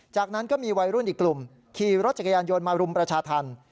จากนั้นก็มีวัยรุ่นอีกกลุ่มขี่รถจักรยานยนต์มารุมประชาธรรม